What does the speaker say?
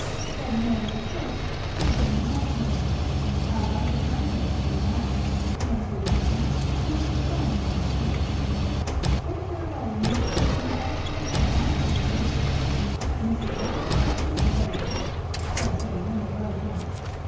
said Mary the cook to Jane the housemaid. "A lovely countenance she has," answered Jane, who was refined in her speech. "Take her away and you've taken the best of the house, I'm a thinking." "Mrs. Rossitur is a lady," said Jane in a low voice.